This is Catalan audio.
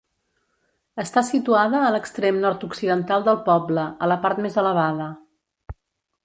Està situada a l'extrem nord-occidental del poble, a la part més elevada.